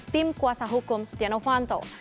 tim kuasa hukum setia novanto